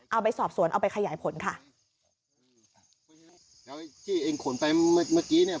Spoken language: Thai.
เอาไปสอบสวนเอาไปขยายผลค่ะแล้วไอ้ที่เองขนไปเมื่อเมื่อกี้เนี้ย